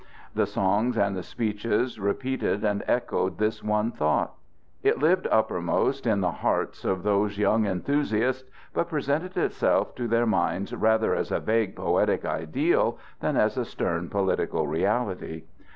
The songs and the speeches repeated and echoed this one thought. It lived uppermost in the hearts of those young enthusiasts, but presented itself to their minds rather as a vague poetic ideal than as a stern political reality.